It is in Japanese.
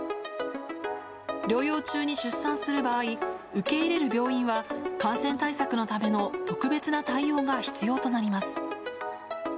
療養中に出産する場合、受け入れる病院は感染対策のための特別な対応が必要となります。